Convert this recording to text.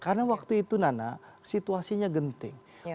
karena waktu itu nana situasinya genting